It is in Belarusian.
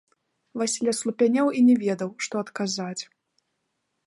Васіль аслупянеў і не ведаў, што адказаць.